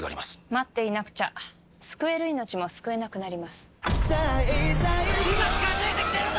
待っていなくちゃ救える命も救えなくなります・火が近づいてきてるぞ！